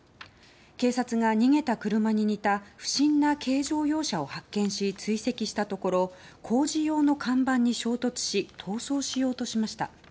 警察が、逃げた車に似た不審な軽乗用車を発見し追跡したところ、工事用の看板に衝突し逃走しようとしました。